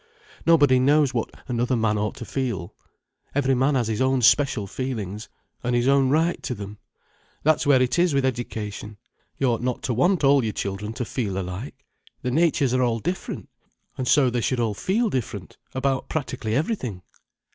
Nobody knows what another man ought to feel. Every man has his own special feelings, and his own right to them. That's where it is with education. You ought not to want all your children to feel alike. Their natures are all different, and so they should all feel different, about practically everything."